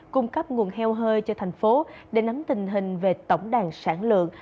cung cấp nguồn heo hơi cho thành phố để nắm tình hình về tổng đàn sản lượng